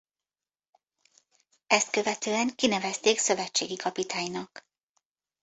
Ezt követően kinevezték szövetségi kapitánynak.